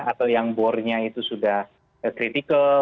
atau yang bornya itu sudah critical